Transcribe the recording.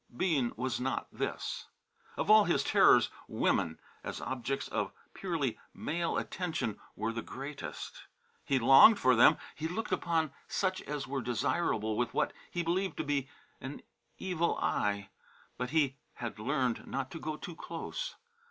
Bean was not this. Of all his terrors women, as objects of purely male attention, were the greatest. He longed for them, he looked upon such as were desirable with what he believed to be an evil eye, but he had learned not to go too close.